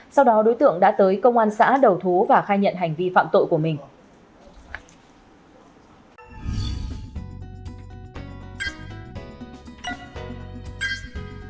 sau đó đối tượng đã tới công an xã đầu thú và khai nhận hành vi phạm tội của mình